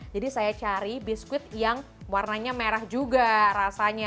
saya cari biskuit yang warnanya merah juga rasanya